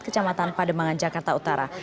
kecamatan pademangan jakarta utara